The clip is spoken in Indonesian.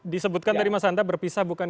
disebutkan tadi mas hanta berpisah bukan